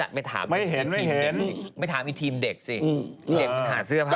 ไม่ถามไอ้ทีมเด็กสิไม่ถามไอ้ทีมเด็กสิเด็กมันหาเสื้อผ้า